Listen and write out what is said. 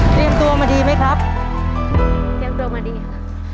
ตัวมาดีไหมครับเตรียมตัวมาดีค่ะ